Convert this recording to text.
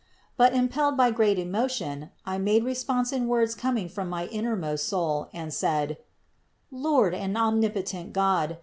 But, impelled by great emotion, I made response in words coming from the in nermost of soul, and said; "Lord and omnipotent God!